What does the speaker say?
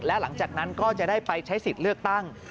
และหลังจากนั้นก็จะได้ไปใช้สิทธิ์เลือกตั้ง